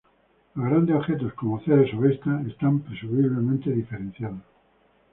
Los grandes objetos, como Ceres o Vesta, están presumiblemente diferenciados.